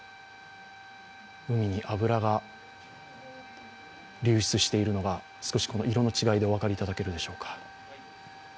海に油が流出しているのが少し色の違いでお分かりいただけるでしょうか。